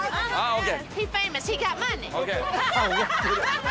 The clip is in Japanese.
ＯＫ。